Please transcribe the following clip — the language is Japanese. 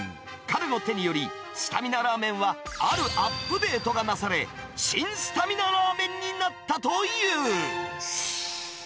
彼の手により、スタミナラーメンはあるアップデートがなされ、シン・スタミナラーメンになったという。